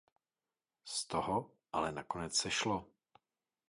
Z toho ale nakonec sešlo.